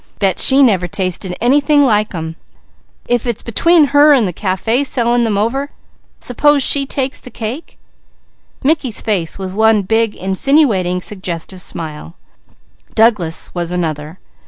Bet she never tasted any like them. If it's between her and the café selling them over, s'pose she takes the cake?" Mickey's face was one big insinuating, suggestive smile. Douglas' was another.